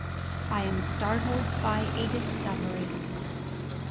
I AM STARTLED BY A DISCOVERY.